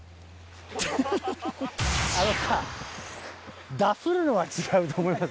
あのさダフるのは違うと思います。